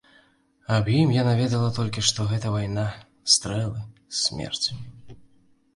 Аб ім яна ведала толькі, што гэта вайна, стрэлы, смерць.